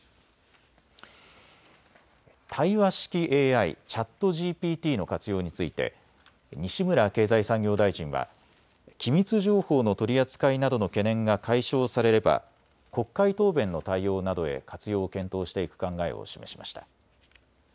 対話式ＡＩ、ＣｈａｔＧＰＴの活用について西村経済産業大臣は機密情報の取り扱いなどの懸念が解消されれば国会答弁の対応などへ活用を検討していく考えを示しました。